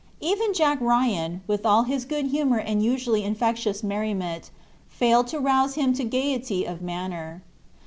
Even Jack Ryan, with all his good humor and usually infectious merriment, failed to rouse him to gayety of manner.